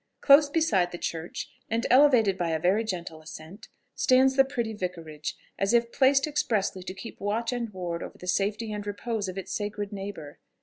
Close beside the church, and elevated by a very gentle ascent, stands the pretty Vicarage, as if placed expressly to keep watch and ward over the safety and repose of its sacred neighbour.